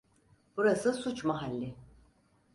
Burası suç mahalli.